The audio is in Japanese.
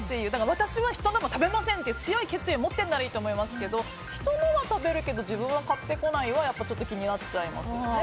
私は人のも食べませんっていう強い決意を持ってるならいいと思いますけど人のは食べるけど自分は、買ってこないのは気になっちゃいますよね。